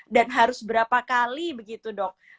dan harus berapa kali begitu dok